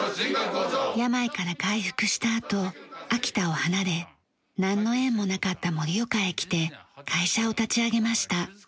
病から回復したあと秋田を離れなんの縁もなかった盛岡へ来て会社を立ち上げました。